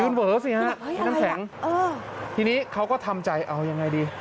ยืนเว๋อสิฮะนั่นแสงเออทีนี้เขาก็ทำใจเอายังไงดี